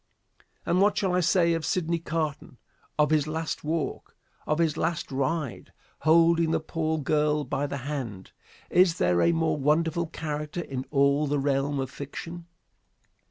And what shall I say of Sidney Carton? Of his last walk? Of his last ride, holding the poor girl by the hand? Is there a more wonderful character in all the realm of fiction?